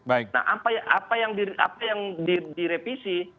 apa yang direvisi